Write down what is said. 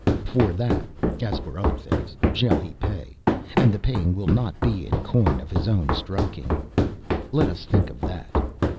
For that, as for other things, shall he pay and the paying will not be in coin of his own striking. Let us think of that...."